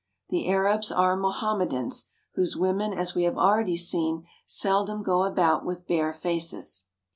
The Arabs are Mohammedans, whose women as we have already seen seldom go about with bare faces.